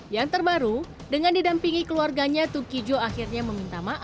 yang terbaru dengan didampingi keluarganya tukijo akhirnya meminta maaf